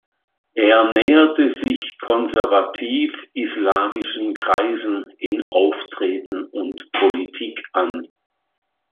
Er näherte sich konservativ islamischen Kreisen in Auftreten und Politik an.